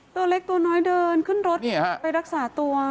ตัวเล็กตัวน้อยเดินขึ้นรถไปรักษาตัว